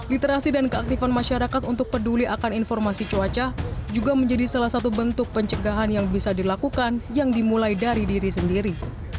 literasi dan keaktifan masyarakat untuk peduli akan informasi cuaca juga menjadi salah satu bentuk pencegahan yang bisa dilakukan yang dimulai dari diri sendiri